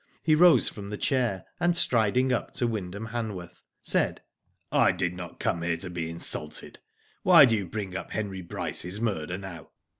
He rose from the chair, and striding up to Wyndham Ham worth, said : I did not come here to be insulted. Why do you bring up Henry Bryce's murder now.